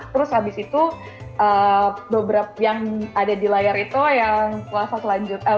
terus habis itu beberapa yang ada di layar itu yang puasa selanjutnya